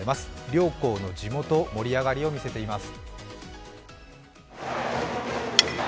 両校の地元、盛り上がりを見せています。